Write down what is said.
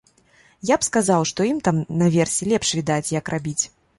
Я б сказаў, што ім там наверсе лепш відаць, як рабіць.